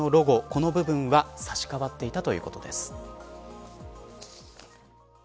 この部分は差し変わっていたということです。